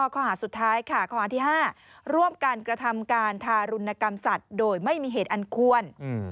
ข้อหาที่๕ร่วมกันกระทำการทารุณกำชัดโดยไม่มีเหตุอันควร